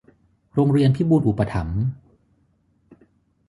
โรงเรียนพิบูลย์อุปถัมภ์